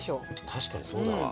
確かにそうだわ。